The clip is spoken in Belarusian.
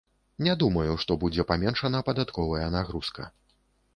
Не думаю, што будзе паменшана падатковая нагрузка.